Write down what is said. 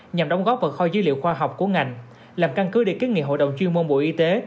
nhằm đóng góp vào kho dữ liệu khoa học của ngành làm căn cứ để kiến nghị hội đồng chuyên môn bộ y tế